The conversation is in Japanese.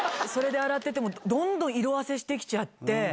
それで洗っててもう、どんどん色あせしてきちゃって。